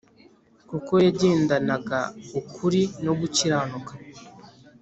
kuko yagendanaga ukuri no gukiranuka